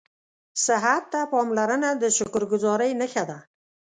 صحت ته پاملرنه د شکرګذارۍ نښه ده